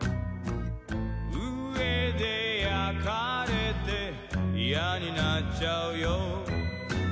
「うえでやかれていやになっちゃうよ」